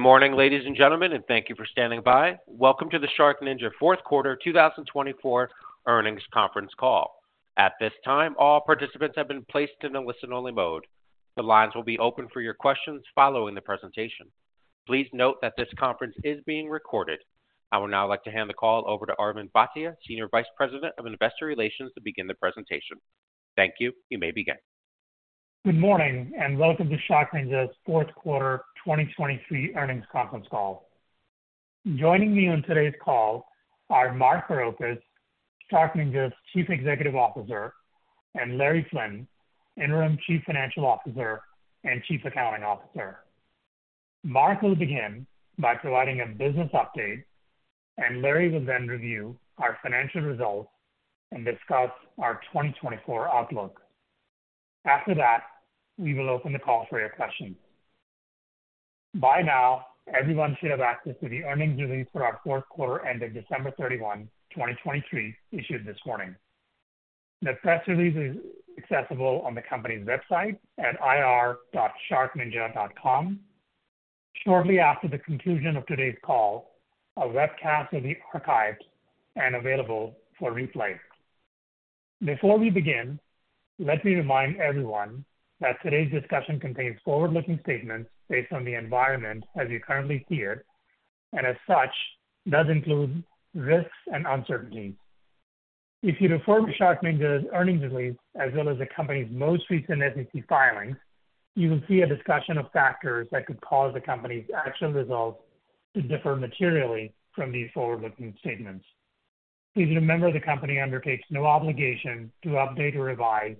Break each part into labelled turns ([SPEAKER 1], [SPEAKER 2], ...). [SPEAKER 1] Good morning, ladies and gentlemen, and thank you for standing by. Welcome to the SharkNinja Fourth Quarter 2024 Earnings Conference Call. At this time, all participants have been placed in a listen-only mode. The lines will be open for your questions following the presentation. Please note that this conference is being recorded. I would now like to hand the call over to Arvind Bhatia, Senior Vice President of Investor Relations, to begin the presentation. Thank you. You may begin.
[SPEAKER 2] Good morning, and welcome to SharkNinja's Fourth Quarter 2023 Earnings Conference Call. Joining me on today's call are Mark Barrocas, SharkNinja's Chief Executive Officer, and Larry Flynn, Interim Chief Financial Officer and Chief Accounting Officer. Mark will begin by providing a business update, and Larry will then review our financial results and discuss our 2024 outlook. After that, we will open the call for your questions. By now, everyone should have access to the earnings release for our fourth quarter ended December 31, 2023, issued this morning. The press release is accessible on the company's website at ir.sharkninja.com. Shortly after the conclusion of today's call, a webcast will be archived and available for replay. Before we begin, let me remind everyone that today's discussion contains forward-looking statements based on the environment as you currently hear, and as such, does include risks and uncertainties. If you refer to SharkNinja's earnings release, as well as the company's most recent SEC filings, you will see a discussion of factors that could cause the company's actual results to differ materially from these forward-looking statements. Please remember, the company undertakes no obligation to update or revise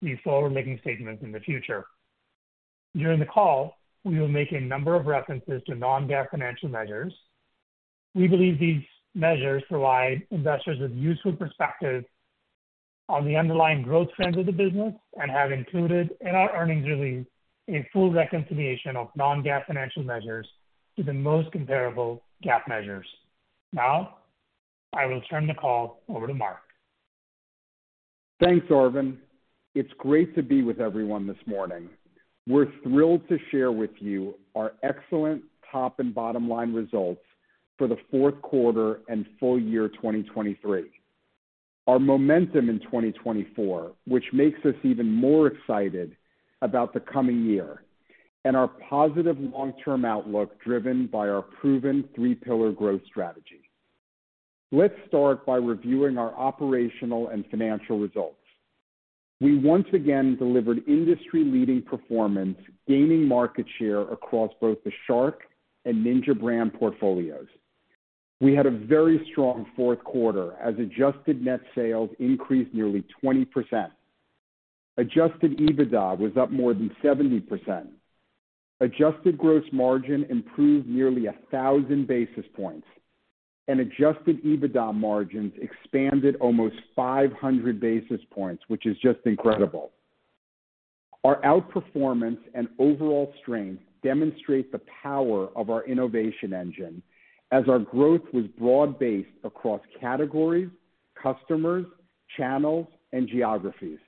[SPEAKER 2] these forward-looking statements in the future. During the call, we will make a number of references to non-GAAP financial measures. We believe these measures provide investors with useful perspective on the underlying growth trends of the business and have included in our earnings release a full reconciliation of non-GAAP financial measures to the most comparable GAAP measures. Now, I will turn the call over to Mark.
[SPEAKER 3] Thanks, Arvind. It's great to be with everyone this morning. We're thrilled to share with you our excellent top and bottom-line results for the fourth quarter and full year 2023. Our momentum in 2024, which makes us even more excited about the coming year, and our positive long-term outlook, driven by our proven three-pillar growth strategy. Let's start by reviewing our operational and financial results. We once again delivered industry-leading performance, gaining market share across both the Shark and Ninja brand portfolios. We had a very strong fourth quarter as adjusted net sales increased nearly 20%. Adjusted EBITDA was up more than 70%. Adjusted gross margin improved nearly 1,000 basis points, and Adjusted EBITDA margins expanded almost 500 basis points, which is just incredible. Our outperformance and overall strength demonstrate the power of our innovation engine as our growth was broad-based across categories, customers, channels, and geographies.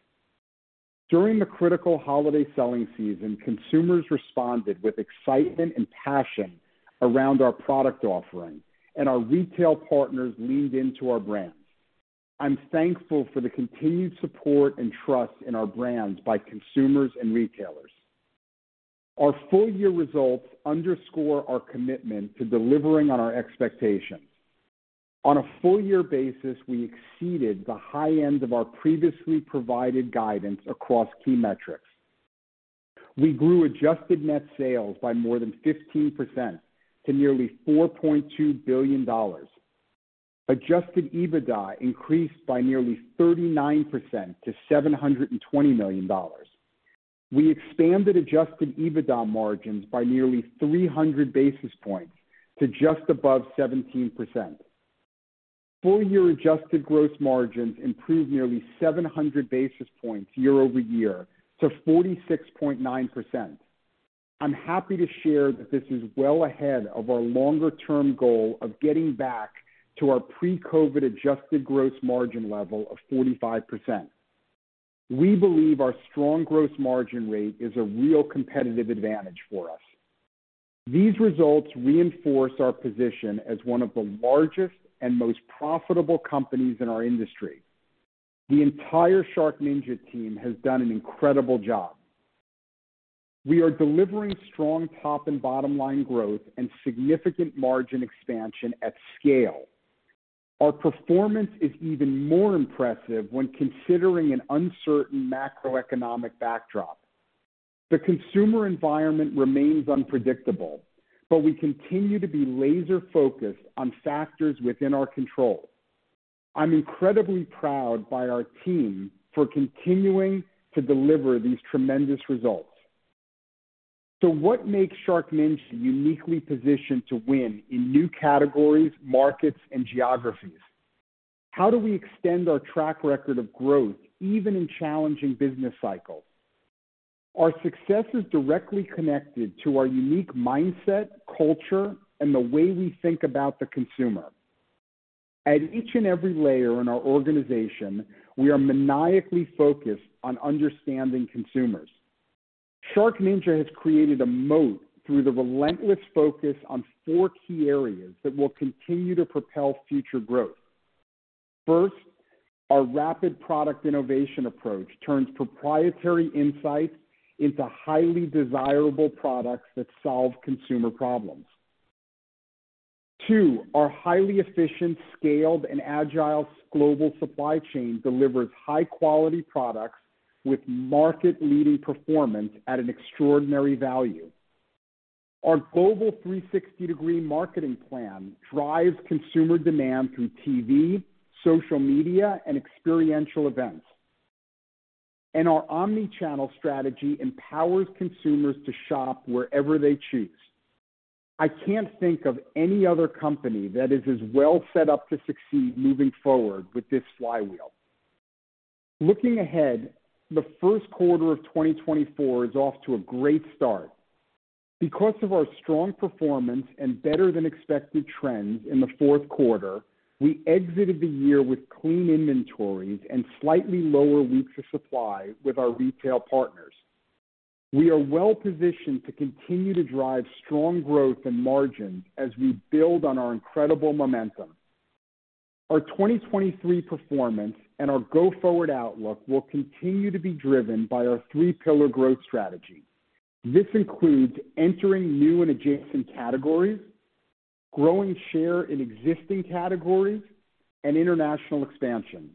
[SPEAKER 3] During the critical holiday selling season, consumers responded with excitement and passion around our product offering, and our retail partners leaned into our brands. I'm thankful for the continued support and trust in our brands by consumers and retailers. Our full-year results underscore our commitment to delivering on our expectations. On a full-year basis, we exceeded the high end of our previously provided guidance across key metrics. We grew Adjusted Net Sales by more than 15% to nearly $4.2 billion. Adjusted EBITDA increased by nearly 39% to $720 million. We expanded Adjusted EBITDA margins by nearly 300 basis points to just above 17%. Full year adjusted gross margins improved nearly 700 basis points year-over-year to 46.9%. I'm happy to share that this is well ahead of our longer-term goal of getting back to our pre-COVID adjusted gross margin level of 45%. We believe our strong gross margin rate is a real competitive advantage for us. These results reinforce our position as one of the largest and most profitable companies in our industry. The entire SharkNinja team has done an incredible job. We are delivering strong top and bottom line growth and significant margin expansion at scale. Our performance is even more impressive when considering an uncertain macroeconomic backdrop. The consumer environment remains unpredictable, but we continue to be laser-focused on factors within our control. I'm incredibly proud by our team for continuing to deliver these tremendous results. So what makes SharkNinja uniquely positioned to win in new categories, markets, and geographies? How do we extend our track record of growth even in challenging business cycles? Our success is directly connected to our unique mindset, culture, and the way we think about the consumer.... At each and every layer in our organization, we are maniacally focused on understanding consumers. SharkNinja has created a moat through the relentless focus on four key areas that will continue to propel future growth. First, our rapid product innovation approach turns proprietary insights into highly desirable products that solve consumer problems. Two, our highly efficient, scaled, and agile global supply chain delivers high quality products with market leading performance at an extraordinary value. Our global 360-degree marketing plan drives consumer demand through TV, social media, and experiential events. And our omni-channel strategy empowers consumers to shop wherever they choose. I can't think of any other company that is as well set up to succeed moving forward with this flywheel. Looking ahead, the first quarter of 2024 is off to a great start. Because of our strong performance and better-than-expected trends in the fourth quarter, we exited the year with clean inventories and slightly lower weeks of supply with our retail partners. We are well positioned to continue to drive strong growth and margins as we build on our incredible momentum. Our 2023 performance and our go-forward outlook will continue to be driven by our three-pillar growth strategy. This includes entering new and adjacent categories, growing share in existing categories, and international expansion.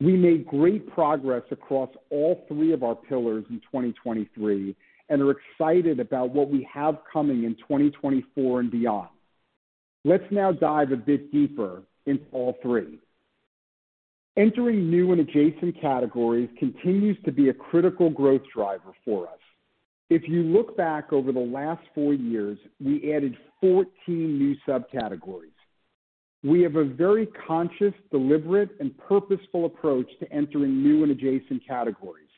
[SPEAKER 3] We made great progress across all three of our pillars in 2023, and are excited about what we have coming in 2024 and beyond. Let's now dive a bit deeper into all three. Entering new and adjacent categories continues to be a critical growth driver for us. If you look back over the last four years, we added 14 new subcategories. We have a very conscious, deliberate, and purposeful approach to entering new and adjacent categories.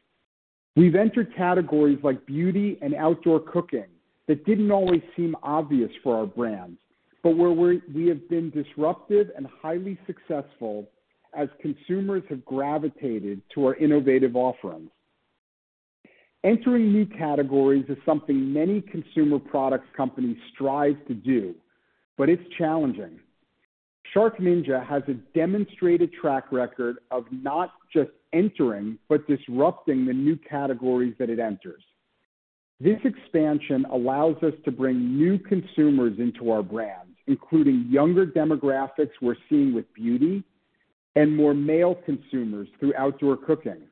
[SPEAKER 3] We've entered categories like beauty and outdoor cooking that didn't always seem obvious for our brands, but where we're, we have been disruptive and highly successful as consumers have gravitated to our innovative offerings. Entering new categories is something many consumer products companies strive to do, but it's challenging. SharkNinja has a demonstrated track record of not just entering, but disrupting the new categories that it enters. This expansion allows us to bring new consumers into our brands, including younger demographics we're seeing with beauty and more male consumers through outdoor cooking.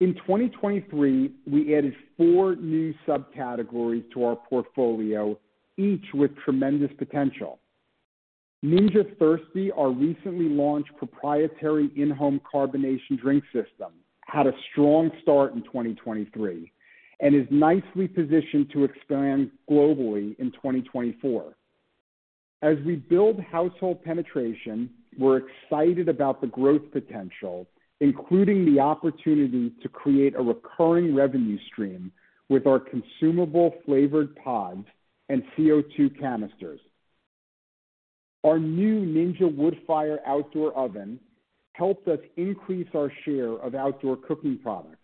[SPEAKER 3] In 2023, we added 4 new subcategories to our portfolio, each with tremendous potential. Ninja Thirsti, our recently launched proprietary in-home carbonation drink system, had a strong start in 2023 and is nicely positioned to expand globally in 2024. As we build household penetration, we're excited about the growth potential, including the opportunity to create a recurring revenue stream with our consumable flavored pods and CO2 canisters. Our new Ninja Woodfire outdoor oven helped us increase our share of outdoor cooking products.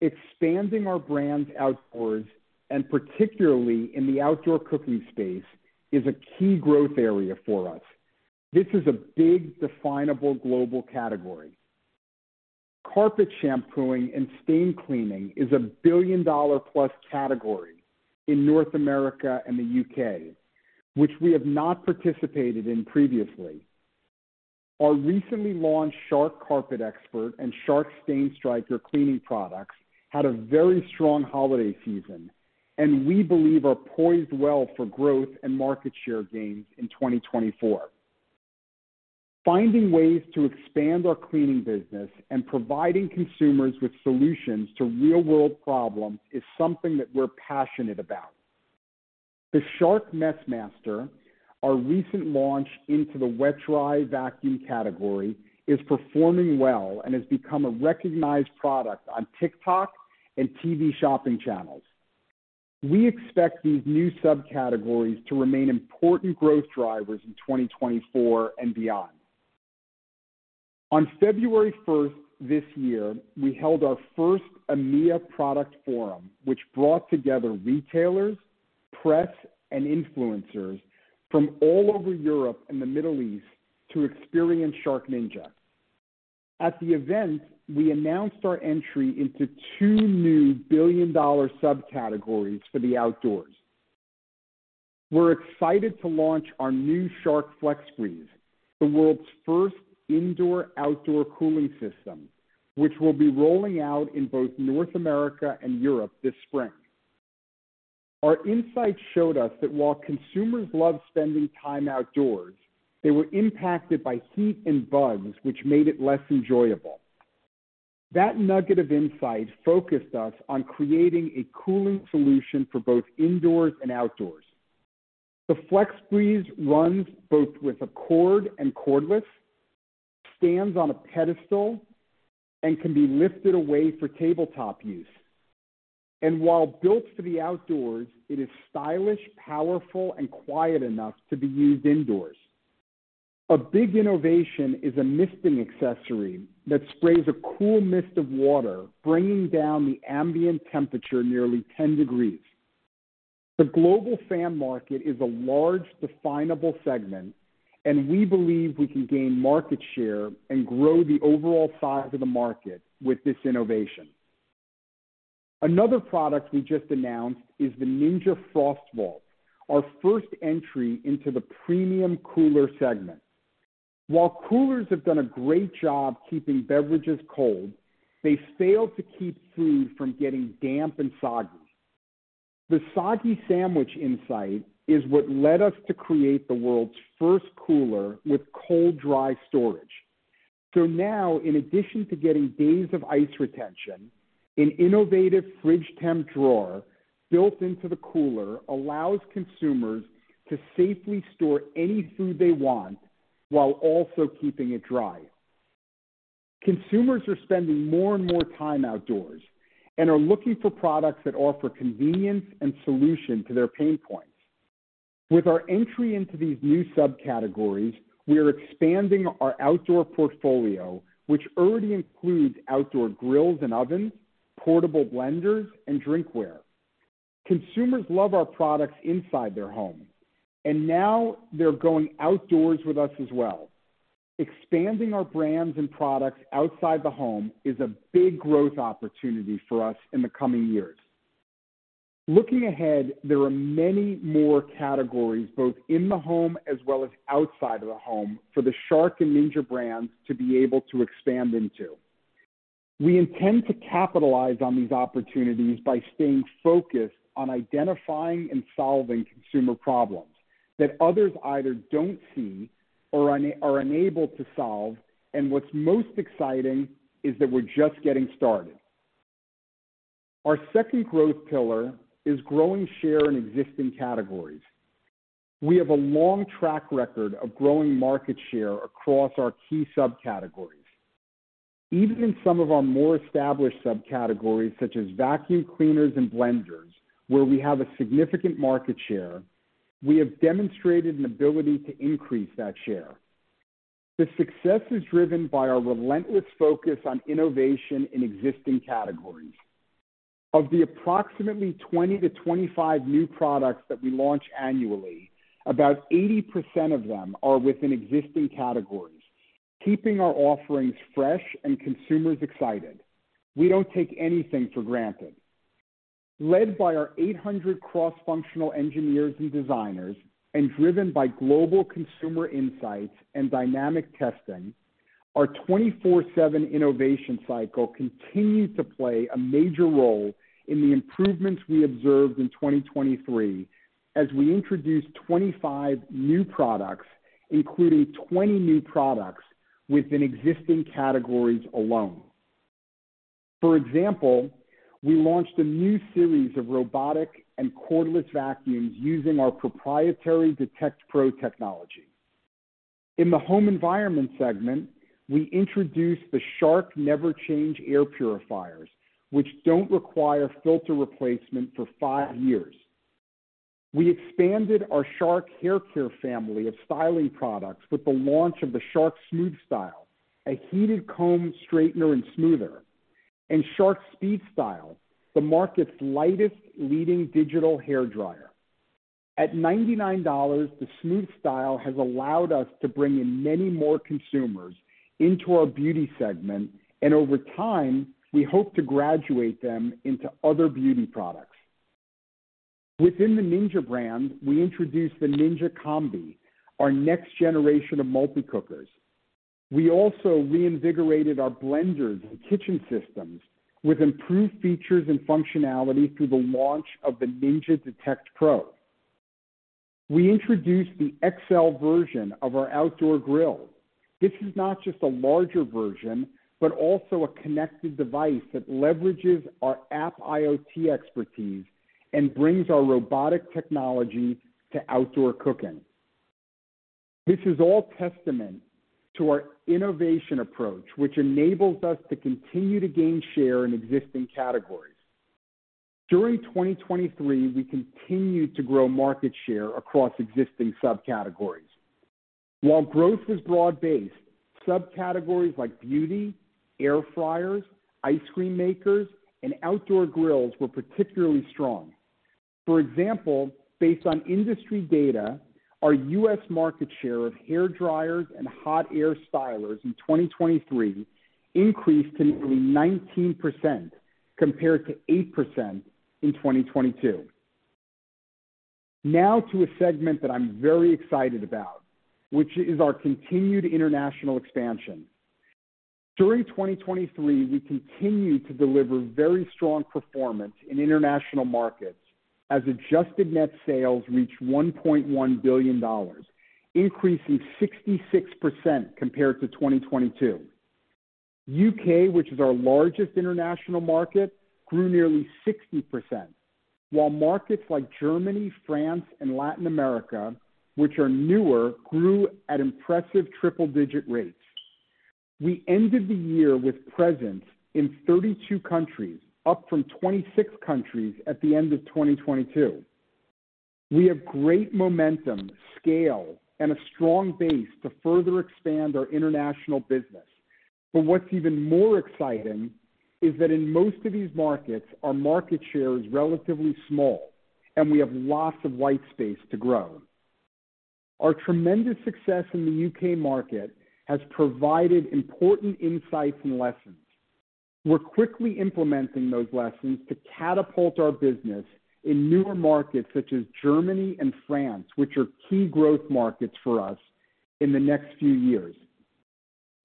[SPEAKER 3] Expanding our brands outdoors, and particularly in the outdoor cooking space, is a key growth area for us. This is a big, definable global category. Carpet shampooing and stain cleaning is a billion-dollar plus category in North America and the U.K., which we have not participated in previously. Our recently launched Shark CarpetXpert and Shark StainStriker cleaning products had a very strong holiday season, and we believe are poised well for growth and market share gains in 2024. Finding ways to expand our cleaning business and providing consumers with solutions to real-world problems is something that we're passionate about. The Shark MessMaster, our recent launch into the wet/dry vacuum category, is performing well and has become a recognized product on TikTok and TV shopping channels. We expect these new subcategories to remain important growth drivers in 2024 and beyond. On February 1 this year, we held our first EMEA Product Forum, which brought together retailers, press, and influencers from all over Europe and the Middle East to experience SharkNinja. At the event, we announced our entry into two new billion-dollar subcategories for the outdoors. We're excited to launch our new Shark FlexBreeze, the world's first indoor-outdoor cooling system, which will be rolling out in both North America and Europe this spring. Our insights showed us that while consumers love spending time outdoors, they were impacted by heat and bugs, which made it less enjoyable. That nugget of insight focused us on creating a cooling solution for both indoors and outdoors. The FlexBreeze runs both with a cord and cordless, stands on a pedestal and can be lifted away for tabletop use. And while built for the outdoors, it is stylish, powerful, and quiet enough to be used indoors. A big innovation is a misting accessory that sprays a cool mist of water, bringing down the ambient temperature nearly 10 degrees. The global fan market is a large, definable segment, and we believe we can gain market share and grow the overall size of the market with this innovation. Another product we just announced is the Ninja FrostVault, our first entry into the premium cooler segment. While coolers have done a great job keeping beverages cold, they fail to keep food from getting damp and soggy. The soggy sandwich insight is what led us to create the world's first cooler with cold, dry storage. So now, in addition to getting days of ice retention, an innovative fridge temp drawer built into the cooler allows consumers to safely store any food they want while also keeping it dry. Consumers are spending more and more time outdoors and are looking for products that offer convenience and solution to their pain points. With our entry into these new subcategories, we are expanding our outdoor portfolio, which already includes outdoor grills and ovens, portable blenders, and drinkware. Consumers love our products inside their home, and now they're going outdoors with us as well. Expanding our brands and products outside the home is a big growth opportunity for us in the coming years. Looking ahead, there are many more categories, both in the home as well as outside of the home, for the Shark and Ninja brands to be able to expand into. We intend to capitalize on these opportunities by staying focused on identifying and solving consumer problems that others either don't see or are unable to solve. And what's most exciting is that we're just getting started. Our second growth pillar is growing share in existing categories. We have a long track record of growing market share across our key subcategories. Even in some of our more established subcategories, such as vacuum cleaners and blenders, where we have a significant market share, we have demonstrated an ability to increase that share. This success is driven by our relentless focus on innovation in existing categories. Of the approximately 20-25 new products that we launch annually, about 80% of them are within existing categories, keeping our offerings fresh and consumers excited. We don't take anything for granted. Led by our 800 cross-functional engineers and designers, and driven by global consumer insights and dynamic testing, our 24/7 innovation cycle continued to play a major role in the improvements we observed in 2023, as we introduced 25 new products, including 20 new products within existing categories alone. For example, we launched a new series of robotic and cordless vacuums using our proprietary Detect Pro technology. In the home environment segment, we introduced the Shark NeverChange air purifiers, which don't require filter replacement for five years. We expanded our Shark haircare family of styling products with the launch of the Shark SmoothStyle, a heated comb straightener and smoother, and Shark SpeedStyle, the market's lightest leading digital hairdryer. At $99, the SmoothStyle has allowed us to bring in many more consumers into our beauty segment, and over time, we hope to graduate them into other beauty products. Within the Ninja brand, we introduced the Ninja Combi, our next generation of multi cookers. We also reinvigorated our blenders and kitchen systems with improved features and functionality through the launch of the Ninja Detect Pro. We introduced the XL version of our outdoor grill. This is not just a larger version, but also a connected device that leverages our app IoT expertise and brings our robotic technology to outdoor cooking. This is all testament to our innovation approach, which enables us to continue to gain share in existing categories. During 2023, we continued to grow market share across existing subcategories. While growth was broad-based, subcategories like beauty, air fryers, ice cream makers, and outdoor grills were particularly strong. For example, based on industry data, our U.S. market share of hairdryers and hot air stylers in 2023 increased to nearly 19%, compared to 8% in 2022. Now to a segment that I'm very excited about, which is our continued international expansion. During 2023, we continued to deliver very strong performance in international markets as adjusted net sales reached $1.1 billion, increasing 66% compared to 2022. U.K., which is our largest international market, grew nearly 60%, while markets like Germany, France, and Latin America, which are newer, grew at impressive triple-digit rates. We ended the year with presence in 32 countries, up from 26 countries at the end of 2022. We have great momentum, scale, and a strong base to further expand our international business. But what's even more exciting is that in most of these markets, our market share is relatively small, and we have lots of white space to grow. Our tremendous success in the U.K. market has provided important insights and lessons. We're quickly implementing those lessons to catapult our business in newer markets such as Germany and France, which are key growth markets for us in the next few years.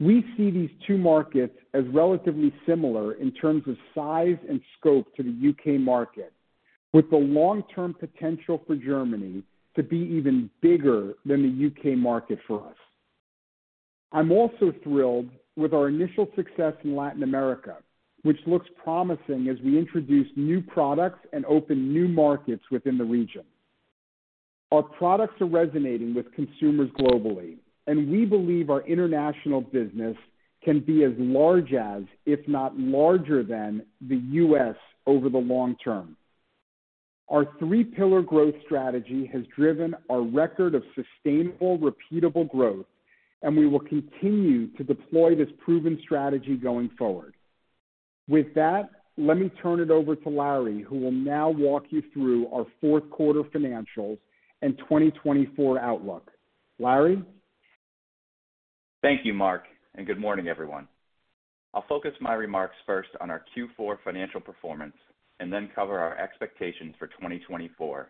[SPEAKER 3] We see these two markets as relatively similar in terms of size and scope to the U.K. market, with the long-term potential for Germany to be even bigger than the U.K. market for us. I'm also thrilled with our initial success in Latin America, which looks promising as we introduce new products and open new markets within the region. Our products are resonating with consumers globally, and we believe our international business can be as large as, if not larger than, the U.S. over the long term. Our three pillar growth strategy has driven our record of sustainable, repeatable growth, and we will continue to deploy this proven strategy going forward. With that, let me turn it over to Larry, who will now walk you through our fourth quarter financials and 2024 outlook. Larry?
[SPEAKER 4] Thank you, Mark, and good morning, everyone. I'll focus my remarks first on our Q4 financial performance and then cover our expectations for 2024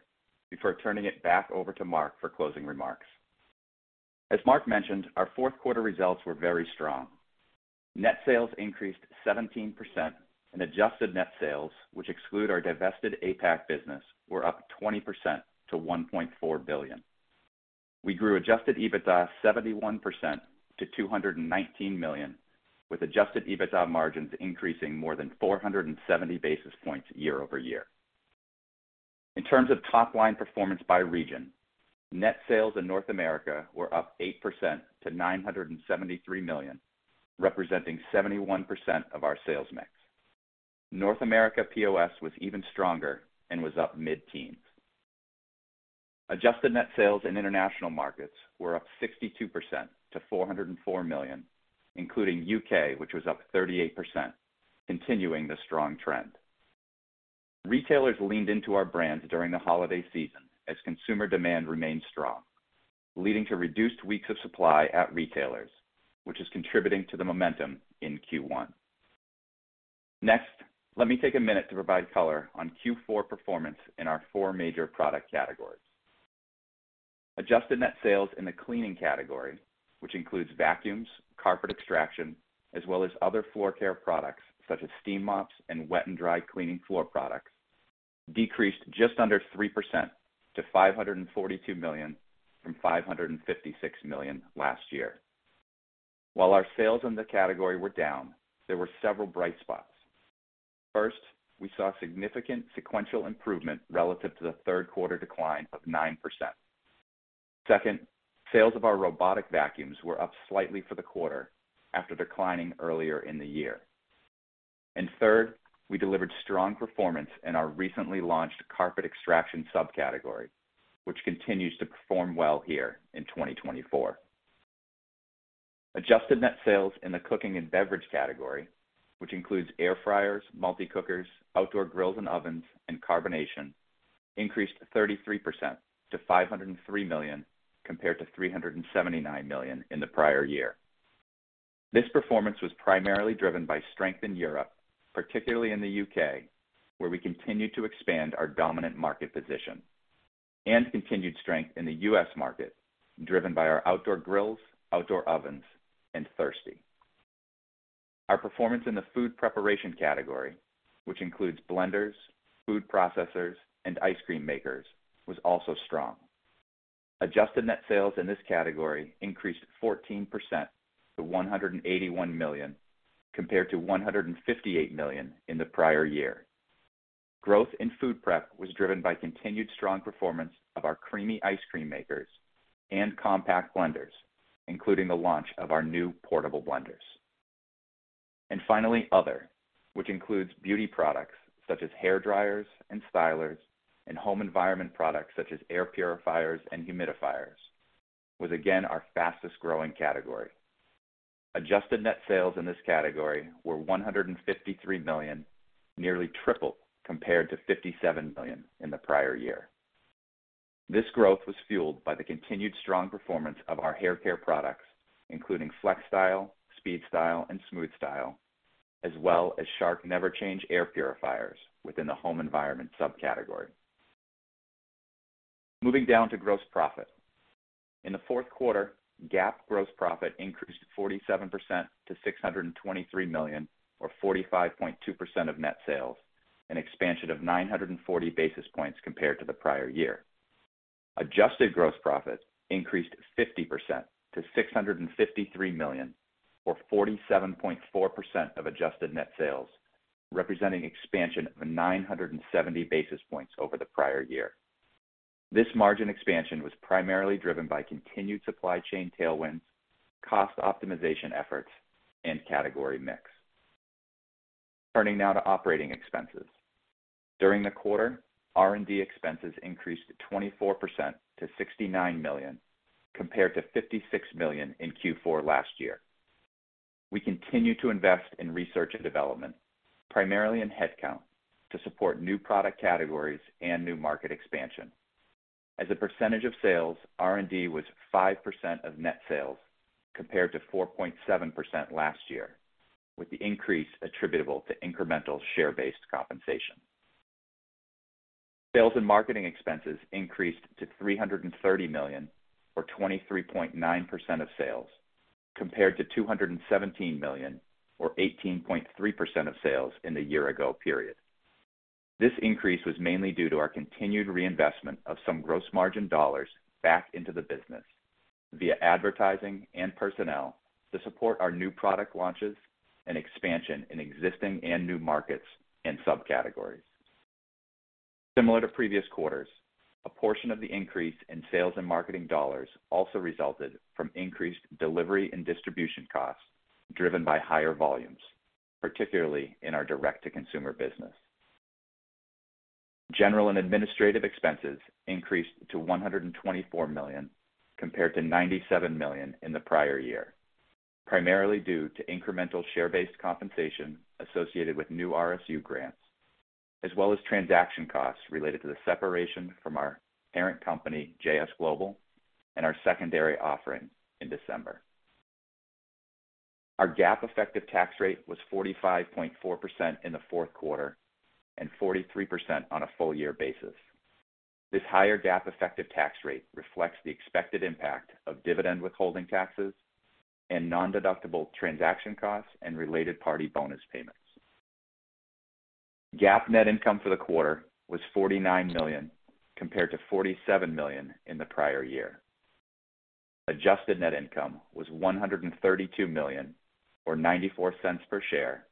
[SPEAKER 4] before turning it back over to Mark for closing remarks. As Mark mentioned, our fourth quarter results were very strong. Net sales increased 17%, and adjusted net sales, which exclude our divested APAC business, were up 20% to $1.4 billion. We grew Adjusted EBITDA 71% to $219 million, with Adjusted EBITDA margins increasing more than 470 basis points year-over-year. In terms of top-line performance by region, net sales in North America were up 8% to $973 million, representing 71% of our sales mix. North America POS was even stronger and was up mid-teens. Adjusted net sales in international markets were up 62% to $404 million, including U.K., which was up 38%, continuing the strong trend. Retailers leaned into our brands during the holiday season as consumer demand remained strong, leading to reduced weeks of supply at retailers, which is contributing to the momentum in Q1. Next, let me take a minute to provide color on Q4 performance in our four major product categories. Adjusted net sales in the cleaning category, which includes vacuums, carpet extraction, as well as other floor care products such as steam mops and wet and dry cleaning floor products, decreased just under 3% to $542 million from $556 million last year. While our sales in the category were down, there were several bright spots. First, we saw significant sequential improvement relative to the third quarter decline of 9%. Second, sales of our robotic vacuums were up slightly for the quarter after declining earlier in the year. And third, we delivered strong performance in our recently launched carpet extraction subcategory, which continues to perform well here in 2024. Adjusted net sales in the cooking and beverage category, which includes air fryers, multi-cookers, outdoor grills and ovens, and carbonation, increased 33% to $503 million, compared to $379 million in the prior year. This performance was primarily driven by strength in Europe, particularly in the U.K., where we continued to expand our dominant market position, and continued strength in the U.S. market, driven by our outdoor grills, outdoor ovens, and Thirsti. Our performance in the food preparation category, which includes blenders, food processors, and ice cream makers, was also strong. Adjusted net sales in this category increased 14% to $181 million, compared to $158 million in the prior year. Growth in food prep was driven by continued strong performance of our CREAMi ice cream makers and compact blenders, including the launch of our new portable blenders. And finally, other, which includes beauty products such as hair dryers and stylers, and home environment products such as air purifiers and humidifiers, was again our fastest-growing category. Adjusted net sales in this category were $153 million, nearly triple compared to $57 million in the prior year. This growth was fueled by the continued strong performance of our hair care products, including FlexStyle, SpeedStyle, and SmoothStyle, as well as Shark NeverChange air purifiers within the home environment subcategory. Moving down to gross profit. In the fourth quarter, GAAP gross profit increased 47% to $623 million, or 45.2% of net sales, an expansion of 940 basis points compared to the prior year. Adjusted gross profit increased 50% to $653 million, or 47.4% of adjusted net sales, representing expansion of 970 basis points over the prior year. This margin expansion was primarily driven by continued supply chain tailwinds, cost optimization efforts, and category mix. Turning now to operating expenses. During the quarter, R&D expenses increased 24% to $69 million, compared to $56 million in Q4 last year. We continue to invest in research and development, primarily in headcount, to support new product categories and new market expansion. As a percentage of sales, R&D was 5% of net sales, compared to 4.7% last year, with the increase attributable to incremental share-based compensation. Sales and marketing expenses increased to $330 million, or 23.9% of sales, compared to $217 million, or 18.3% of sales in the year ago period. This increase was mainly due to our continued reinvestment of some gross margin dollars back into the business via advertising and personnel to support our new product launches and expansion in existing and new markets and subcategories. Similar to previous quarters, a portion of the increase in sales and marketing dollars also resulted from increased delivery and distribution costs, driven by higher volumes, particularly in our direct-to-consumer business. General and administrative expenses increased to $124 million compared to $97 million in the prior year, primarily due to incremental share-based compensation associated with new RSU grants, as well as transaction costs related to the separation from our parent company, JS Global, and our secondary offering in December. Our GAAP effective tax rate was 45.4% in the fourth quarter and 43% on a full year basis. This higher GAAP effective tax rate reflects the expected impact of dividend withholding taxes and nondeductible transaction costs and related party bonus payments. GAAP net income for the quarter was $49 million, compared to $47 million in the prior year. Adjusted net income was $132 million, or $0.94 per share,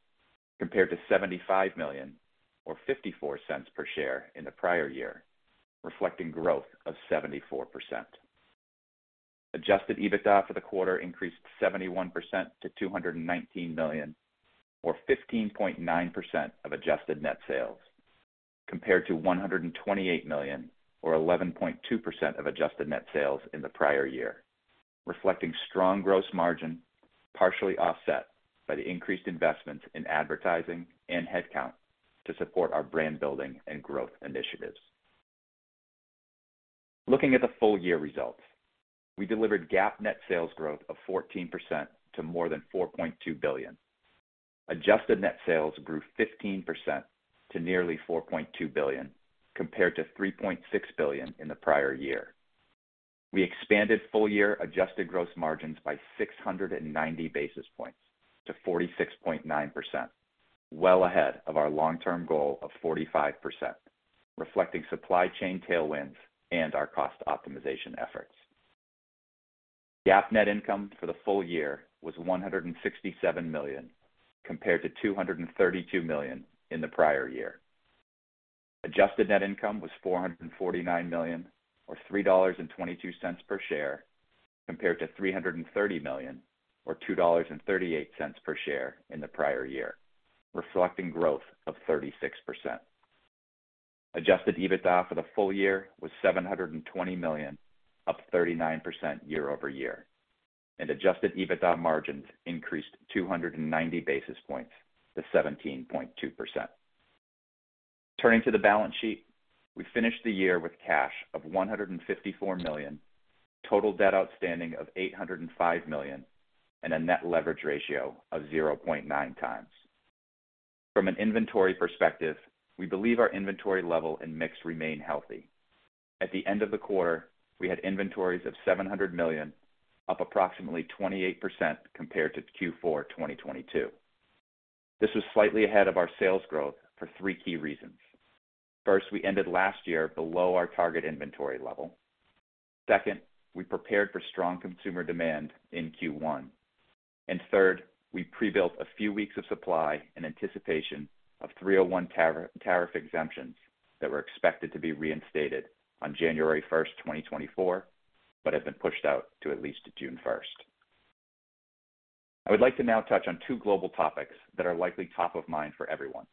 [SPEAKER 4] compared to $75 million or $0.54 per share in the prior year, reflecting growth of 74%. Adjusted EBITDA for the quarter increased 71% to $219 million, or 15.9% of adjusted net sales, compared to $128 million or 11.2% of adjusted net sales in the prior year, reflecting strong gross margin, partially offset by the increased investments in advertising and headcount to support our brand building and growth initiatives. Looking at the full year results, we delivered GAAP net sales growth of 14% to more than $4.2 billion. Adjusted net sales grew 15% to nearly $4.2 billion, compared to $3.6 billion in the prior year. We expanded full-year adjusted gross margins by 690 basis points to 46.9%, well ahead of our long-term goal of 45%, reflecting supply chain tailwinds and our cost optimization efforts. GAAP net income for the full year was $167 million, compared to $232 million in the prior year. Adjusted net income was $449 million, or $3.22 per share, compared to $330 million or $2.38 per share in the prior year, reflecting growth of 36%. Adjusted EBITDA for the full year was $720 million, up 39% year-over-year, and Adjusted EBITDA margins increased 290 basis points to 17.2%. Turning to the balance sheet, we finished the year with cash of $154 million, total debt outstanding of $805 million, and a net leverage ratio of 0.9x. From an inventory perspective, we believe our inventory level and mix remain healthy. At the end of the quarter, we had inventories of $700 million, up approximately 28% compared to Q4 2022. This was slightly ahead of our sales growth for three key reasons. First, we ended last year below our target inventory level. Second, we prepared for strong consumer demand in Q1. And third, we pre-built a few weeks of supply in anticipation of 301 tariff exemptions that were expected to be reinstated on January 1, 2024, but have been pushed out to at least June 1. I would like to now touch on two global topics that are likely top of mind for everyone: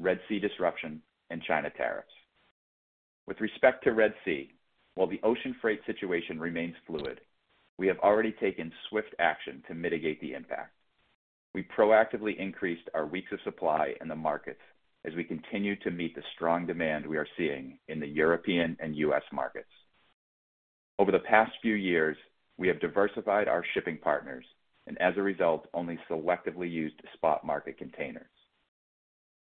[SPEAKER 4] Red Sea disruption and China tariffs. With respect to Red Sea, while the ocean freight situation remains fluid, we have already taken swift action to mitigate the impact. We proactively increased our weeks of supply in the markets as we continue to meet the strong demand we are seeing in the European and U.S. markets. Over the past few years, we have diversified our shipping partners and, as a result, only selectively used spot market containers.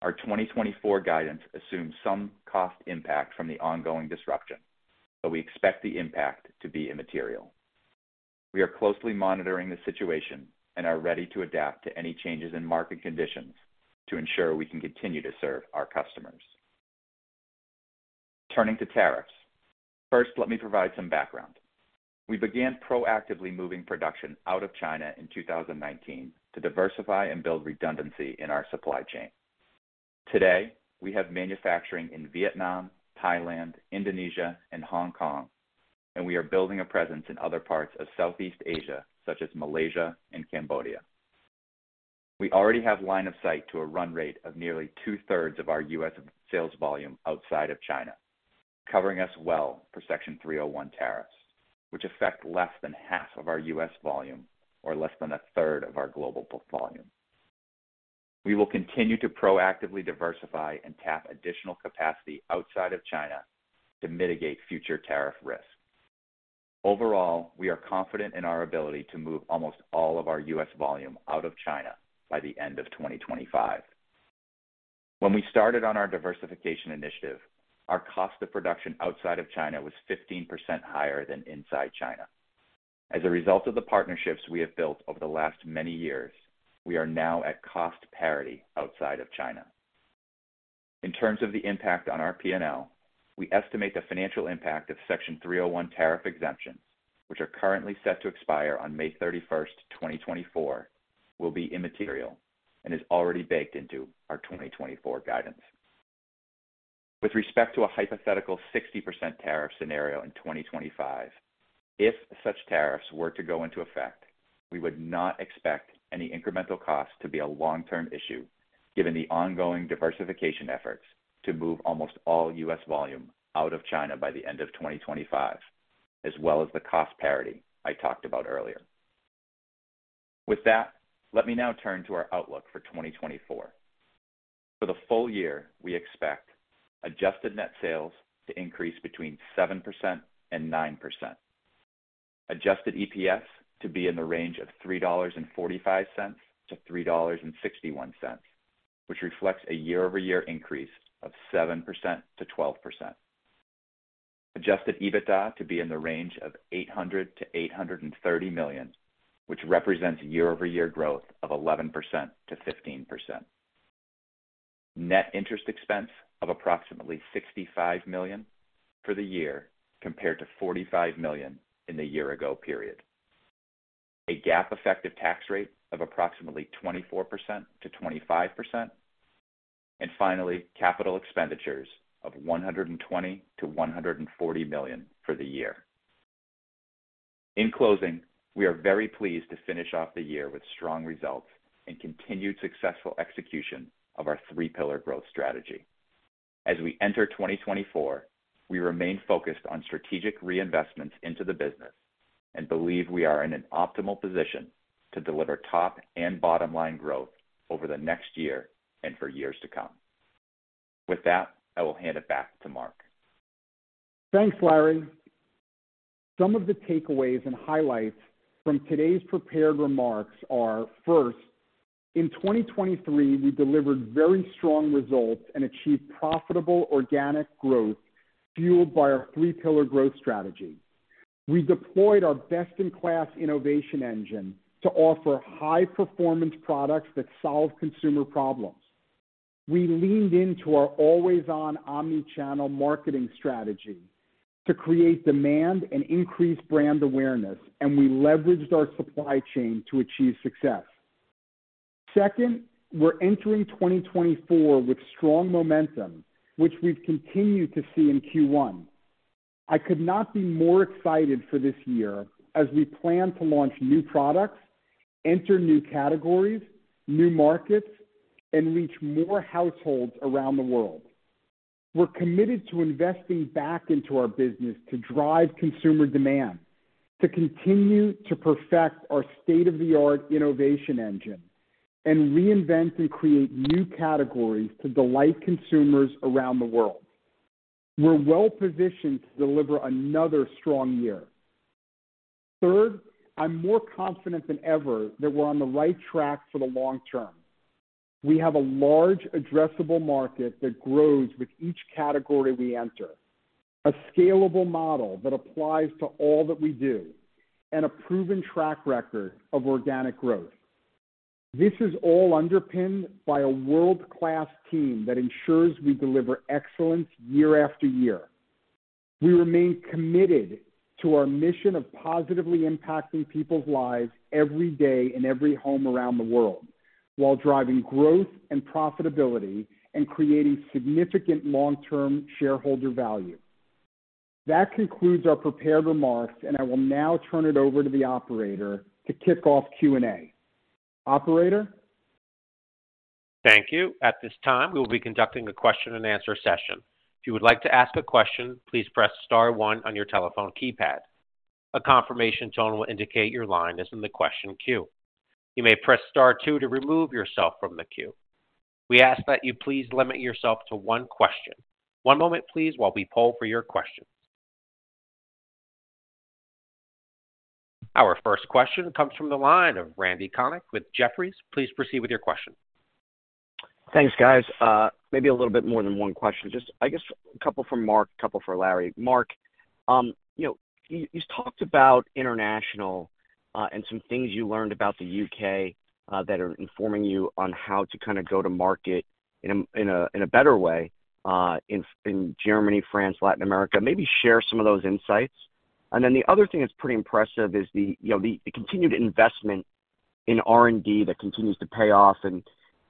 [SPEAKER 4] Our 2024 guidance assumes some cost impact from the ongoing disruption, but we expect the impact to be immaterial. We are closely monitoring the situation and are ready to adapt to any changes in market conditions to ensure we can continue to serve our customers. Turning to tariffs. First, let me provide some background. We began proactively moving production out of China in 2019 to diversify and build redundancy in our supply chain. Today, we have manufacturing in Vietnam, Thailand, Indonesia, and Hong Kong, and we are building a presence in other parts of Southeast Asia, such as Malaysia and Cambodia. We already have line of sight to a run rate of nearly two-thirds of our U.S. sales volume outside of China, covering us well for Section 301 tariffs, which affect less than half of our U.S. volume, or less than a third of our global volume. We will continue to proactively diversify and tap additional capacity outside of China to mitigate future tariff risks. Overall, we are confident in our ability to move almost all of our U.S. volume out of China by the end of 2025. When we started on our diversification initiative, our cost of production outside of China was 15% higher than inside China. As a result of the partnerships we have built over the last many years, we are now at cost parity outside of China. In terms of the impact on our PNL, we estimate the financial impact of Section 301 tariff exemptions, which are currently set to expire on May 31st, 2024, will be immaterial and is already baked into our 2024 guidance. With respect to a hypothetical 60% tariff scenario in 2025, if such tariffs were to go into effect, we would not expect any incremental costs to be a long-term issue, given the ongoing diversification efforts to move almost all U.S. volume out of China by the end of 2025, as well as the cost parity I talked about earlier. With that, let me now turn to our outlook for 2024. For the full year, we expect adjusted net sales to increase between 7% and 9%. Adjusted EPS to be in the range of $3.45 to $3.61, which reflects a year-over-year increase of 7% - 12%. Adjusted EBITDA to be in the range of $800-$830 million, which represents a year-over-year growth of 11% - 15%. Net interest expense of approximately $65 million for the year, compared to $45 million in the year ago period. A GAAP effective tax rate of approximately 24%-25%, and finally, capital expenditures of $120-$140 million for the year. In closing, we are very pleased to finish off the year with strong results and continued successful execution of our three pillar growth strategy. As we enter 2024, we remain focused on strategic reinvestments into the business and believe we are in an optimal position to deliver top and bottom line growth over the next year and for years to come. With that, I will hand it back to Mark.
[SPEAKER 3] Thanks, Larry. Some of the takeaways and highlights from today's prepared remarks are, first, in 2023, we delivered very strong results and achieved profitable organic growth, fueled by our three pillar growth strategy. We deployed our best-in-class innovation engine to offer high performance products that solve consumer problems. We leaned into our always-on omnichannel marketing strategy to create demand and increase brand awareness, and we leveraged our supply chain to achieve success. Second, we're entering 2024 with strong momentum, which we've continued to see in Q1. I could not be more excited for this year as we plan to launch new products, enter new categories, new markets, and reach more households around the world. We're committed to investing back into our business to drive consumer demand, to continue to perfect our state-of-the-art innovation engine, and reinvent and create new categories to delight consumers around the world. We're well positioned to deliver another strong year. Third, I'm more confident than ever that we're on the right track for the long term. We have a large addressable market that grows with each category we enter, a scalable model that applies to all that we do, and a proven track record of organic growth. This is all underpinned by a world-class team that ensures we deliver excellence year after year. We remain committed to our mission of positively impacting people's lives every day in every home around the world, while driving growth and profitability and creating significant long-term shareholder value. That concludes our prepared remarks, and I will now turn it over to the operator to kick off Q&A. Operator?
[SPEAKER 1] Thank you. At this time, we will be conducting a question and answer session. If you would like to ask a question, please press star one on your telephone keypad. A confirmation tone will indicate your line is in the question queue. You may press star two to remove yourself from the queue. We ask that you please limit yourself to one question. One moment, please, while we poll for your questions. Our first question comes from the line of Randal Konik with Jefferies. Please proceed with your question....
[SPEAKER 5] Thanks, guys. Maybe a little bit more than one question. Just, I guess, a couple for Mark, a couple for Larry. Mark, you know, you talked about international and some things you learned about the U.K. that are informing you on how to kind of go to market in a better way in Germany, France, Latin America. Maybe share some of those insights. And then the other thing that's pretty impressive is you know, the continued investment in R&D that continues to pay off, and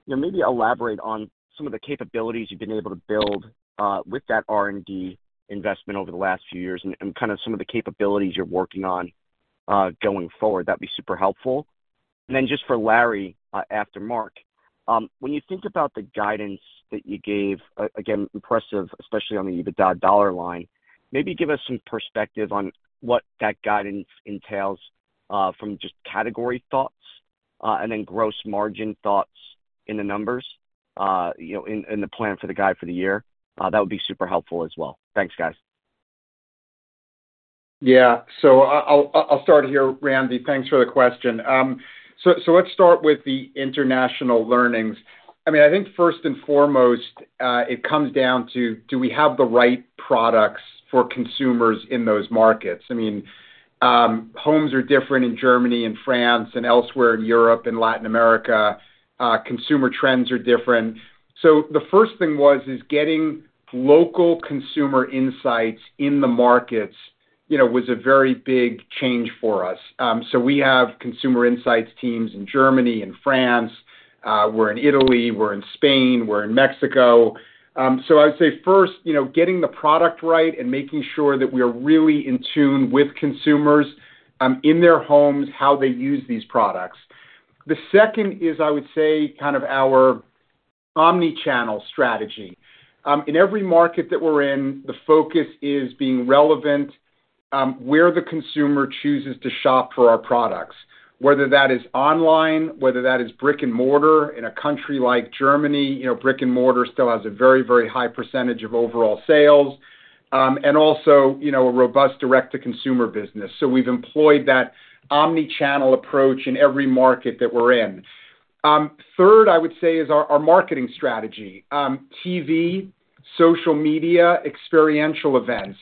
[SPEAKER 5] you know, maybe elaborate on some of the capabilities you've been able to build with that R&D investment over the last few years and kind of some of the capabilities you're working on going forward. That'd be super helpful. And then just for Larry, after Mark, when you think about the guidance that you gave, again, impressive, especially on the EBITDA dollar line, maybe give us some perspective on what that guidance entails, from just category thoughts, and then gross margin thoughts in the numbers, you know, in the plan for the guide for the year. That would be super helpful as well. Thanks, guys.
[SPEAKER 3] Yeah. I'll start here, Randy. Thanks for the question. So let's start with the international learnings. I mean, I think first and foremost, it comes down to, do we have the right products for consumers in those markets? I mean, homes are different in Germany and France and elsewhere in Europe and Latin America. Consumer trends are different. So the first thing was, is getting local consumer insights in the markets, you know, was a very big change for us. So we have consumer insights teams in Germany and France, we're in Italy, we're in Spain, we're in Mexico. So I would say first, you know, getting the product right and making sure that we are really in tune with consumers, in their homes, how they use these products. The second is, I would say, kind of our omni-channel strategy. In every market that we're in, the focus is being relevant, where the consumer chooses to shop for our products, whether that is online, whether that is brick-and-mortar. In a country like Germany, you know, brick-and-mortar still has a very, very high percentage of overall sales, and also, you know, a robust direct-to-consumer business. So we've employed that omni-channel approach in every market that we're in. Third, I would say, is our, our marketing strategy. TV, social media, experiential events.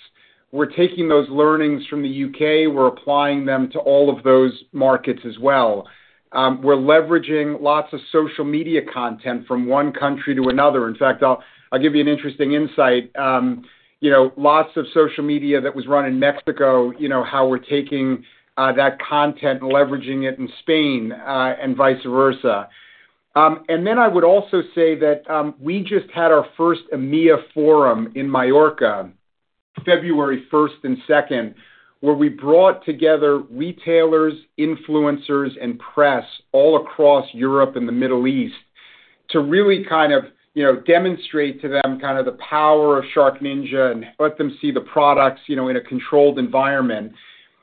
[SPEAKER 3] We're taking those learnings from the U.K., we're applying them to all of those markets as well. We're leveraging lots of social media content from one country to another. In fact, I'll give you an interesting insight. You know, lots of social media that was run in Mexico, you know, how we're taking that content and leveraging it in Spain, and vice versa. And then I would also say that we just had our first EMEA forum in Mallorca, February first and second, where we brought together retailers, influencers, and press all across Europe and the Middle East to really kind of, you know, demonstrate to them kind of the power of SharkNinja and let them see the products, you know, in a controlled environment.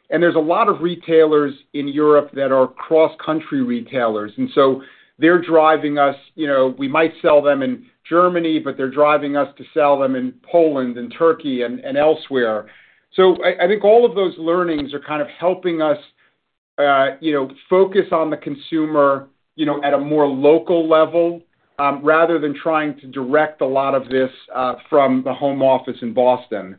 [SPEAKER 3] And there's a lot of retailers in Europe that are cross-country retailers, and so they're driving us. You know, we might sell them in Germany, but they're driving us to sell them in Poland and Turkey and elsewhere. So I think all of those learnings are kind of helping us, you know, focus on the consumer, you know, at a more local level, rather than trying to direct a lot of this from the home office in Boston.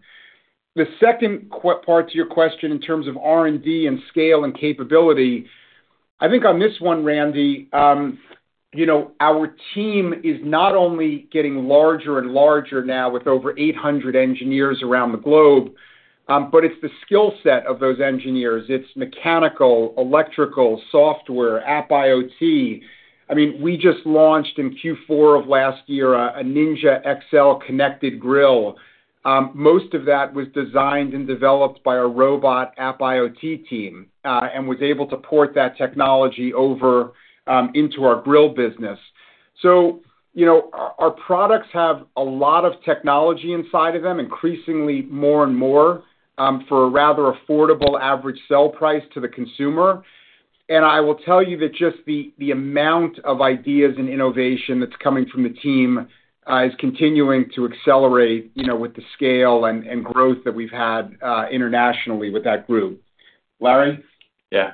[SPEAKER 3] The second part to your question, in terms of R&D and scale and capability, I think on this one, Randy, you know, our team is not only getting larger and larger now with over 800 engineers around the globe, but it's the skill set of those engineers. It's mechanical, electrical, software, app IoT. I mean, we just launched in Q4 of last year, a Ninja XL connected grill. Most of that was designed and developed by our robot app IoT team, and was able to port that technology over into our grill business. So, you know, our products have a lot of technology inside of them, increasingly more and more, for a rather affordable average sell price to the consumer. And I will tell you that just the amount of ideas and innovation that's coming from the team is continuing to accelerate, you know, with the scale and growth that we've had, internationally with that group. Larry?
[SPEAKER 4] Yeah.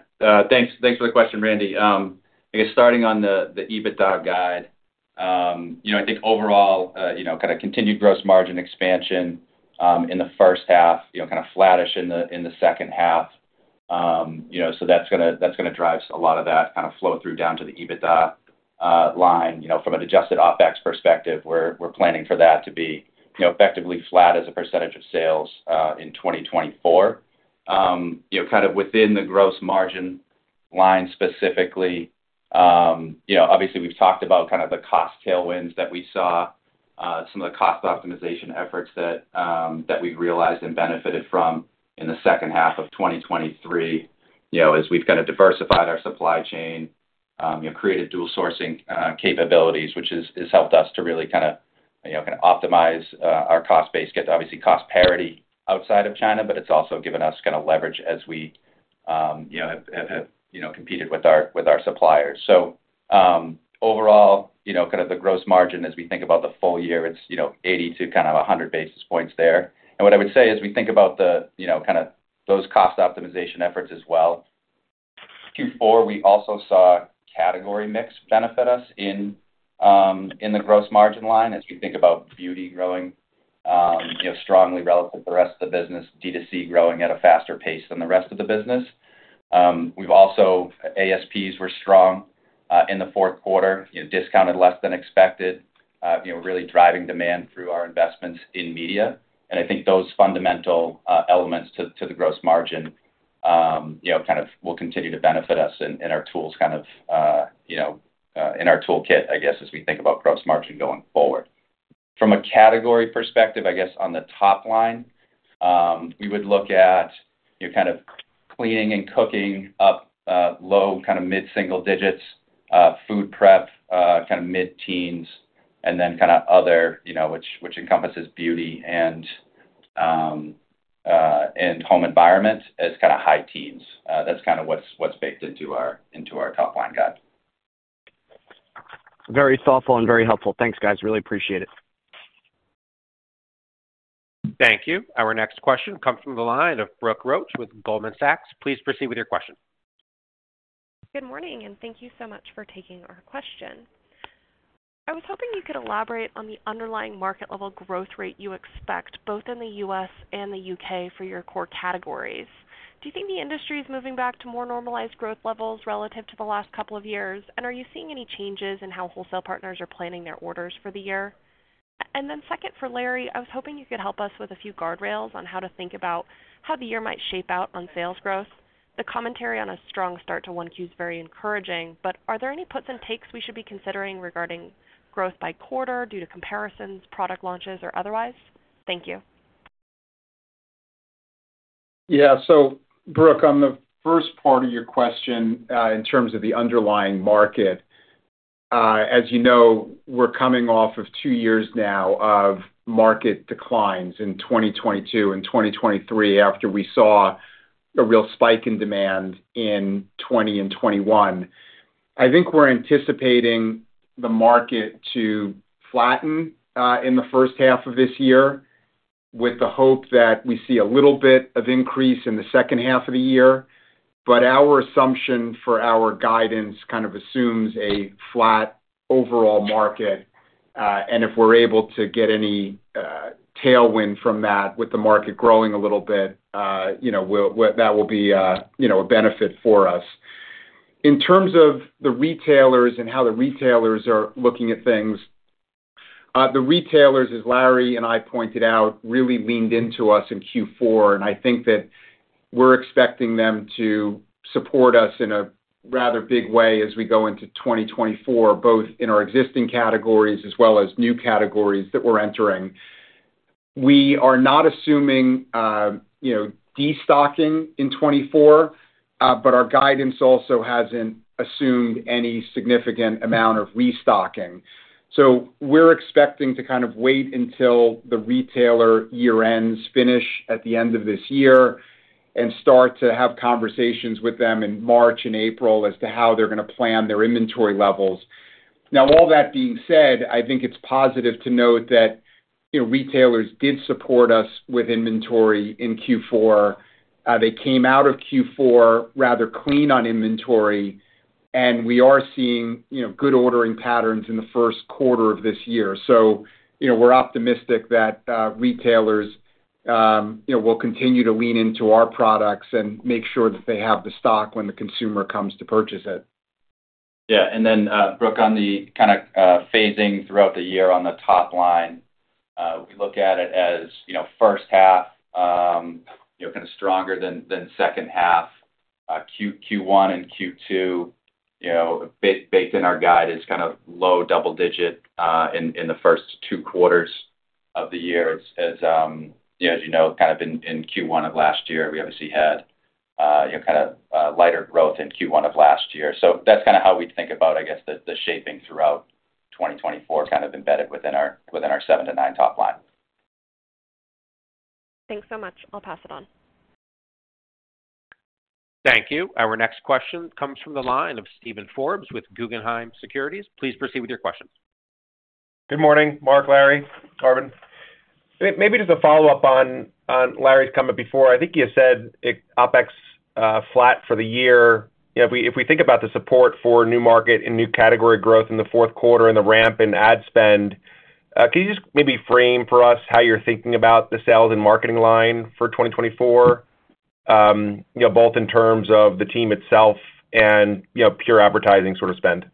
[SPEAKER 4] Thanks, thanks for the question, Randy. I guess starting on the, the EBITDA guide, you know, I think overall, you know, kind of continued gross margin expansion, in the first half, you know, kind of flattish in the, in the second half. You know, so that's gonna, that's gonna drive a lot of that kind of flow through down to the EBITDA, line. You know, from an adjusted OpEx perspective, we're, we're planning for that to be, you know, effectively flat as a % of sales, in 2024. You know, kind of within the gross margin line specifically, you know, obviously, we've talked about kind of the cost tailwinds that we saw, some of the cost optimization efforts that, that we've realized and benefited from in the second half of 2023. You know, as we've kind of diversified our supply chain, you know, created dual sourcing capabilities, which has helped us to really kinda, you know, kinda optimize our cost base, get obviously cost parity outside of China, but it's also given us kinda leverage as we, you know, have, you know, competed with our, with our suppliers. So, overall, you know, kind of the gross margin as we think about the full year, it's, you know, 80 to kind of a 100 basis points there. And what I would say as we think about the, you know, kind of those cost optimization efforts as well-... Q4, we also saw category mix benefit us in the gross margin line as we think about beauty growing, you know, strongly relative to the rest of the business, D2C growing at a faster pace than the rest of the business. We've also ASPs were strong in the fourth quarter, you know, discounted less than expected, you know, really driving demand through our investments in media. And I think those fundamental elements to the gross margin, you know, kind of will continue to benefit us and our tools kind of, you know, in our toolkit, I guess, as we think about gross margin going forward. From a category perspective, I guess, on the top line, we would look at your kind of cleaning and cooking up, low, kind of mid-single digits, food prep, kind of mid-teens, and then kind of other, you know, which encompasses beauty and, and home environment as kind of high teens. That's kind of what's baked into our top-line guide.
[SPEAKER 5] Very thoughtful and very helpful. Thanks, guys. Really appreciate it.
[SPEAKER 1] Thank you. Our next question comes from the line of Brooke Roach with Goldman Sachs. Please proceed with your question.
[SPEAKER 6] Good morning, and thank you so much for taking our question. I was hoping you could elaborate on the underlying market level growth rate you expect, both in the U.S. and the U.K. for your core categories. Do you think the industry is moving back to more normalized growth levels relative to the last couple of years? And are you seeing any changes in how wholesale partners are planning their orders for the year? And then second, for Larry, I was hoping you could help us with a few guardrails on how to think about how the year might shape out on sales growth. The commentary on a strong start to Q1 is very encouraging, but are there any puts and takes we should be considering regarding growth by quarter due to comparisons, product launches, or otherwise? Thank you.
[SPEAKER 3] Yeah. So, Brooke, on the first part of your question, in terms of the underlying market, as you know, we're coming off of two years now of market declines in 2022 and 2023, after we saw a real spike in demand in 2020 and 2021. I think we're anticipating the market to flatten in the first half of this year, with the hope that we see a little bit of increase in the second half of the year. But our assumption for our guidance kind of assumes a flat overall market, and if we're able to get any tailwind from that, with the market growing a little bit, you know, we'll—that will be, you know, a benefit for us. In terms of the retailers and how the retailers are looking at things, the retailers, as Larry and I pointed out, really leaned into us in Q4, and I think that we're expecting them to support us in a rather big way as we go into 2024, both in our existing categories as well as new categories that we're entering. We are not assuming, you know, destocking in 2024, but our guidance also hasn't assumed any significant amount of restocking. So we're expecting to kind of wait until the retailer year-ends finish at the end of this year and start to have conversations with them in March and April as to how they're gonna plan their inventory levels. Now, all that being said, I think it's positive to note that, you know, retailers did support us with inventory in Q4. They came out of Q4 rather clean on inventory, and we are seeing, you know, good ordering patterns in the first quarter of this year. So, you know, we're optimistic that retailers, you know, will continue to lean into our products and make sure that they have the stock when the consumer comes to purchase it.
[SPEAKER 4] Yeah. And then, Brooke, on the kind of phasing throughout the year on the top line, we look at it as, you know, first half, you know, kind of stronger than second half. Q1 and Q2, you know, based in our guide, is kind of low double digit in the first two quarters of the year. As you know, as you know, kind of in Q1 of last year, we obviously had, you know, kind of lighter growth in Q1 of last year. So that's kind of how we think about, I guess, the shaping throughout 2024, kind of embedded within our 7-9 top line.
[SPEAKER 6] Thanks so much. I'll pass it on.
[SPEAKER 1] Thank you. Our next question comes from the line of Steven Forbes with Guggenheim Securities. Please proceed with your question.
[SPEAKER 7] Good morning, Mark, Larry, Carmen. Maybe just a follow-up on Larry's comment before. I think you said, OpEx flat for the year. You know, if we think about the support for new market and new category growth in the fourth quarter and the ramp in ad spend, can you just maybe frame for us how you're thinking about the sales and marketing line for 2024, you know, both in terms of the team itself and, you know, pure advertising sort of spend?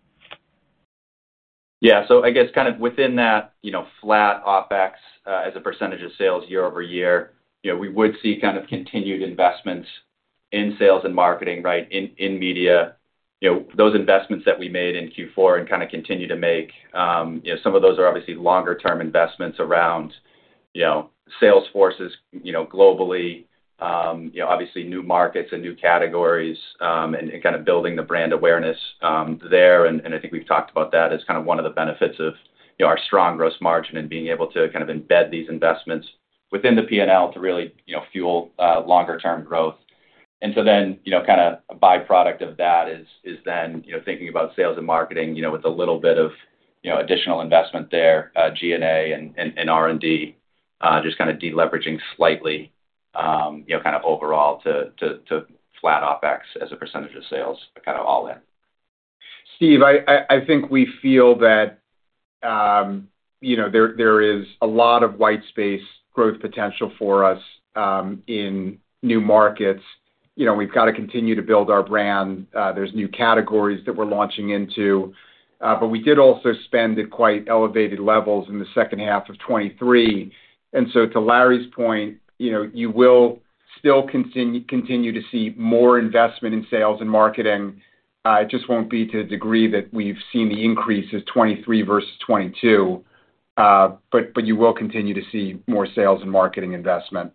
[SPEAKER 4] Yeah. So I guess kind of within that, you know, flat OpEx, as a % of sales year-over-year, you know, we would see kind of continued investments in sales and marketing, right, in media. You know, those investments that we made in Q4 and kind of continue to make, you know, some of those are obviously longer-term investments around, you know, sales forces, you know, globally, you know, obviously new markets and new categories, and kind of building the brand awareness, there. And I think we've talked about that as kind of one of the benefits of, you know, our strong gross margin and being able to kind of embed these investments within the P&L to really, you know, fuel longer-term growth. So then, you know, kind of a byproduct of that is then, you know, thinking about sales and marketing, you know, with a little bit of, you know, additional investment there, SG&A and R&D, just kind of deleveraging slightly, you know, kind of overall to flat OpEx as a percentage of sales, kind of all in?
[SPEAKER 3] Steve, I think we feel that, you know, there is a lot of white space growth potential for us, in new markets. You know, we've got to continue to build our brand. There's new categories that we're launching into, but we did also spend at quite elevated levels in the second half of 2023. And so to Larry's point, you know, you will still continue to see more investment in sales and marketing. It just won't be to the degree that we've seen the increase of 2023 versus 2022. But you will continue to see more sales and marketing investment.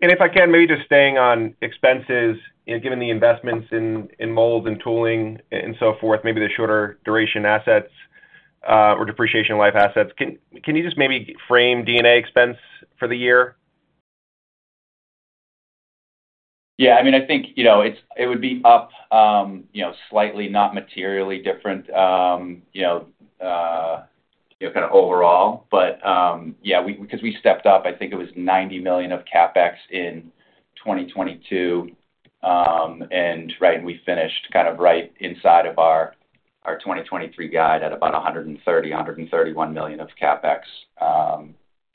[SPEAKER 7] If I can, maybe just staying on expenses, you know, given the investments in molds and tooling and so forth, maybe the shorter duration assets, or depreciation life assets, can you just maybe frame D&A expense for the year?
[SPEAKER 4] Yeah, I mean, I think, you know, it would be up, you know, slightly, not materially different, you know, kind of overall. But, yeah, because we stepped up, I think it was $90 million of CapEx in 2022, and right, we finished kind of right inside of our twenty twenty-three guide at about $130-$131 million of CapEx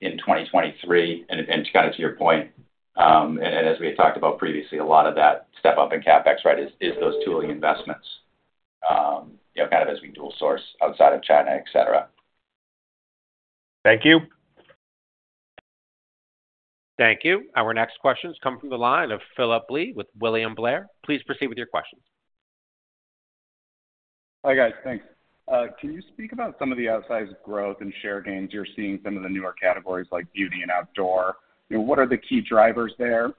[SPEAKER 4] in 2023. And kind of to your point, and as we had talked about previously, a lot of that step up in CapEx, right, is those tooling investments, you know, kind of as we dual source outside of China, et cetera.
[SPEAKER 7] Thank you.
[SPEAKER 1] Thank you. Our next question comes from the line of Phillip Blee with William Blair. Please proceed with your questions.
[SPEAKER 8] Hi, guys. Thanks. Can you speak about some of the outsized growth and share gains you're seeing in some of the newer categories, like beauty and outdoor? You know, what are the key drivers there?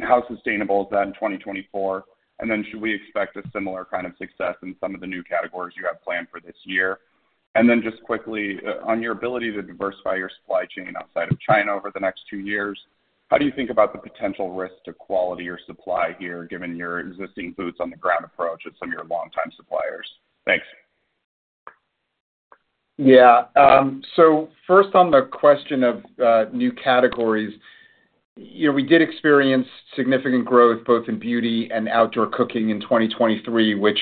[SPEAKER 8] How sustainable is that in 2024? And then should we expect a similar kind of success in some of the new categories you have planned for this year? And then just quickly, on your ability to diversify your supply chain outside of China over the next two years, how do you think about the potential risk to quality or supply here, given your existing boots on the ground approach with some of your longtime suppliers? Thanks.
[SPEAKER 3] Yeah. So first on the question of new categories, you know, we did experience significant growth both in beauty and outdoor cooking in 2023, which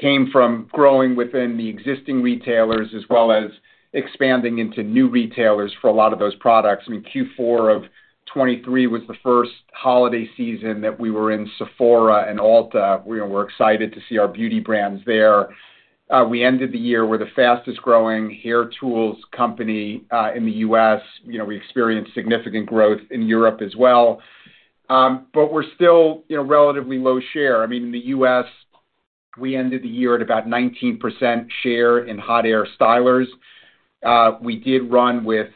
[SPEAKER 3] came from growing within the existing retailers, as well as expanding into new retailers for a lot of those products. I mean, Q4 of 2023 was the first holiday season that we were in Sephora and Ulta. We were excited to see our beauty brands there. We ended the year, we're the fastest growing hair tools company in the U.S. You know, we experienced significant growth in Europe as well. But we're still, you know, relatively low share. I mean, in the U.S., we ended the year at about 19% share in hot air stylers. We did run with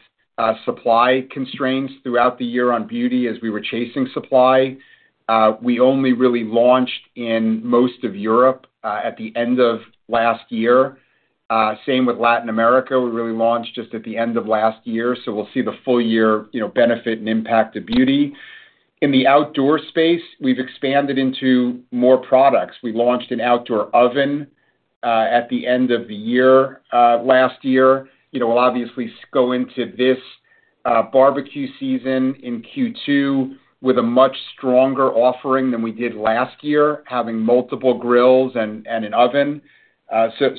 [SPEAKER 3] supply constraints throughout the year on beauty as we were chasing supply. We only really launched in most of Europe at the end of last year. Same with Latin America, we really launched just at the end of last year, so we'll see the full year, you know, benefit and impact of beauty. In the outdoor space, we've expanded into more products. We launched an outdoor oven at the end of the year last year. You know, we'll obviously go into this barbecue season in Q2 with a much stronger offering than we did last year, having multiple grills and an oven.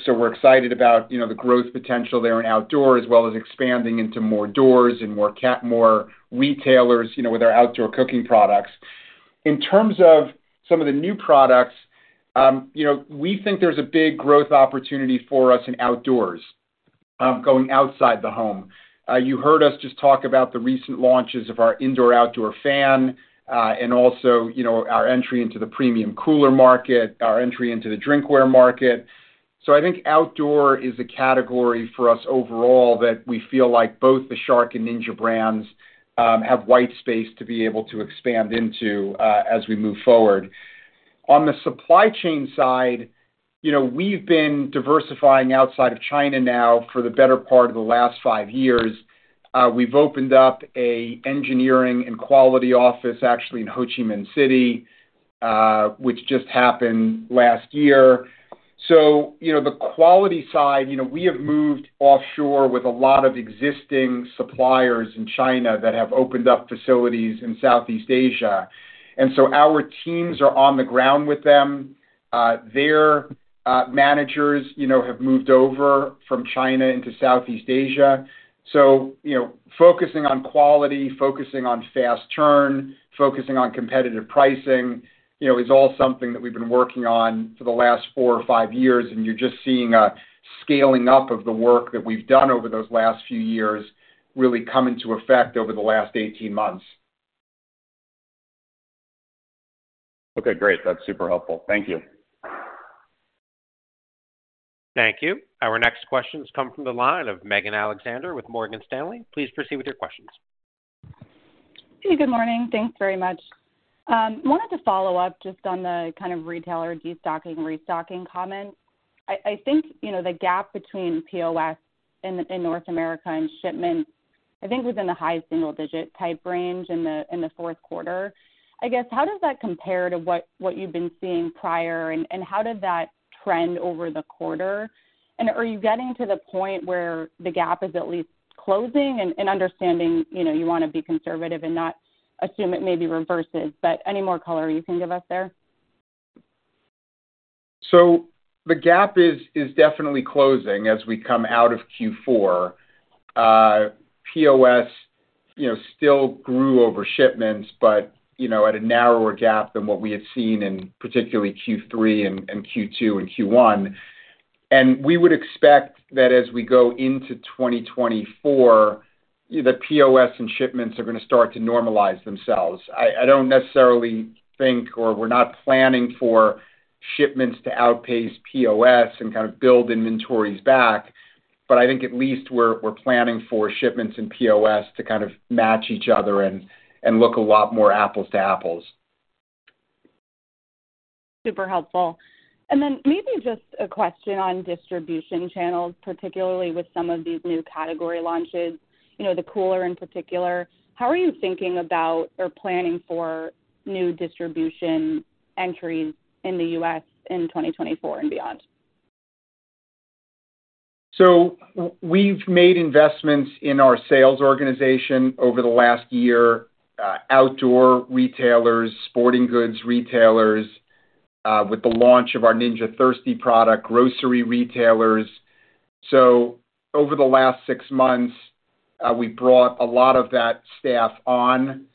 [SPEAKER 3] So we're excited about, you know, the growth potential there in outdoor, as well as expanding into more doors and more retailers, you know, with our outdoor cooking products. In terms of some of the new products, you know, we think there's a big growth opportunity for us in outdoors, going outside the home. You heard us just talk about the recent launches of our indoor-outdoor fan, and also, you know, our entry into the premium cooler market, our entry into the drinkware market. So I think outdoor is a category for us overall that we feel like both the Shark and Ninja brands have white space to be able to expand into, as we move forward. On the supply chain side, you know, we've been diversifying outside of China now for the better part of the last five years. We've opened up an engineering and quality office, actually, in Ho Chi Minh City, which just happened last year. So, you know, the quality side, you know, we have moved offshore with a lot of existing suppliers in China that have opened up facilities in Southeast Asia. And so our teams are on the ground with them. Their managers, you know, have moved over from China into Southeast Asia. So, you know, focusing on quality, focusing on fast turn, focusing on competitive pricing, you know, is all something that we've been working on for the last 4 or 5 years, and you're just seeing a scaling up of the work that we've done over those last few years really come into effect over the last 18 months.
[SPEAKER 8] Okay, great. That's super helpful. Thank you.
[SPEAKER 1] Thank you. Our next question has come from the line of Megan Alexander with Morgan Stanley. Please proceed with your questions.
[SPEAKER 9] Hey, good morning. Thanks very much. Wanted to follow up just on the kind of retailer destocking, restocking comment.... I think, you know, the gap between POS in North America and shipments, I think was in the high single digit type range in the fourth quarter. I guess, how does that compare to what you've been seeing prior? And how did that trend over the quarter? And are you getting to the point where the gap is at least closing and understanding, you know, you wanna be conservative and not assume it maybe reverses, but any more color you can give us there?
[SPEAKER 3] So the gap is, is definitely closing as we come out of Q4. POS, you know, still grew over shipments, but, you know, at a narrower gap than what we had seen in particularly Q3 and, and Q2 and Q1. And we would expect that as we go into 2024, the POS and shipments are gonna start to normalize themselves. I, I don't necessarily think, or we're not planning for shipments to outpace POS and kind of build inventories back, but I think at least we're, we're planning for shipments and POS to kind of match each other and, and look a lot more apples to apples.
[SPEAKER 9] Super helpful. And then maybe just a question on distribution channels, particularly with some of these new category launches, you know, the cooler in particular. How are you thinking about or planning for new distribution entries in the U.S. in 2024 and beyond?
[SPEAKER 3] So we've made investments in our sales organization over the last year, outdoor retailers, sporting goods retailers, with the launch of our Ninja Thirsti product, grocery retailers. So over the last six months, we brought a lot of that staff on.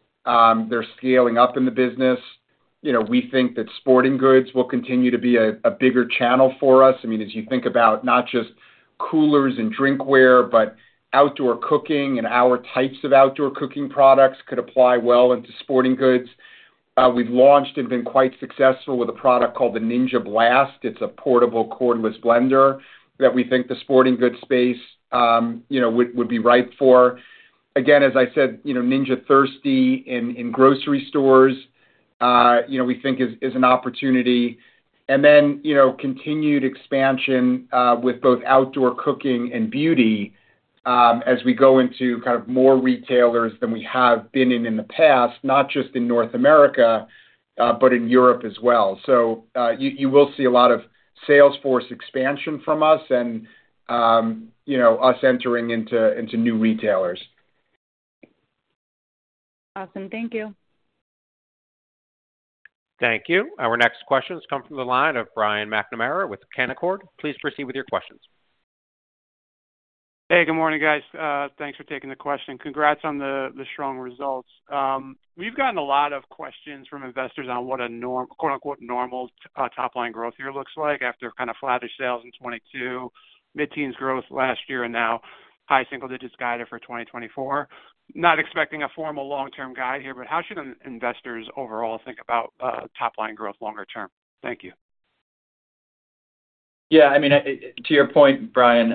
[SPEAKER 3] They're scaling up in the business. You know, we think that sporting goods will continue to be a bigger channel for us. I mean, as you think about not just coolers and drinkware, but outdoor cooking, and our types of outdoor cooking products could apply well into sporting goods. We've launched and been quite successful with a product called the Ninja Blast. It's a portable, cordless blender that we think the sporting goods space, you know, would be ripe for. Again, as I said, you know, Ninja Thirsti in grocery stores, you know, we think is an opportunity. And then, you know, continued expansion with both outdoor cooking and beauty, as we go into kind of more retailers than we have been in in the past, not just in North America, but in Europe as well. So, you will see a lot of sales force expansion from us and, you know, us entering into into new retailers.
[SPEAKER 9] Awesome. Thank you.
[SPEAKER 1] Thank you. Our next question has come from the line of Brian McNamara with Canaccord. Please proceed with your questions.
[SPEAKER 10] Hey, good morning, guys. Thanks for taking the question. Congrats on the, the strong results. We've gotten a lot of questions from investors on what a norm—quote, unquote, "normal," top line growth year looks like after kind of flattish sales in 2022, mid-teens growth last year, and now high single digits guided for 2024. Not expecting a formal long-term guide here, but how should investors overall think about, top line growth longer term? Thank you.
[SPEAKER 4] Yeah, I mean, to your point, Brian,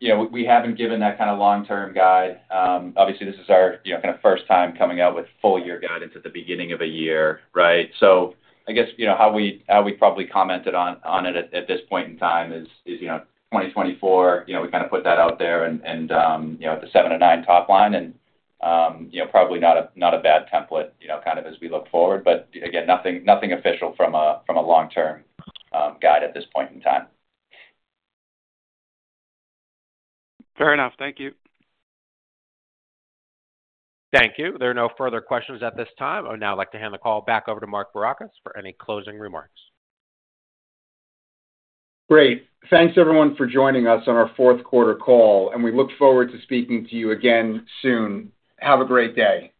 [SPEAKER 4] you know, we haven't given that kind of long-term guide. Obviously, this is our, you know, kind of first time coming out with full year guidance at the beginning of a year, right? So I guess, you know, how we, how we probably commented on, on it at, at this point in time is, is, you know, 2024, you know, we kind of put that out there and, and, you know, the 7-9% top line and, you know, probably not a, not a bad template, you know, kind of, as we look forward. But again, nothing, nothing official from a, from a long-term guide at this point in time.
[SPEAKER 10] Fair enough. Thank you.
[SPEAKER 1] Thank you. There are no further questions at this time. I would now like to hand the call back over to Mark Barrocas for any closing remarks.
[SPEAKER 3] Great. Thanks, everyone, for joining us on our fourth quarter call, and we look forward to speaking to you again soon. Have a great day.